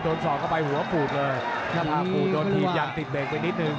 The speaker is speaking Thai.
โดนซ้อนเข้าไปหัวผูดเลยถ้าผูดโดนทีมยังติดเบงไปนิดนึง